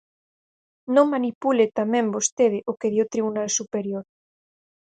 Non manipule tamén vostede o que di o Tribunal Superior.